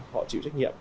họ chịu trách nhiệm